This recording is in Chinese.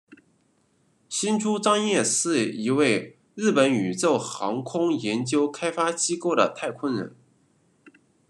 星出彰彦是一位日本宇宙航空研究开发机构的太空人。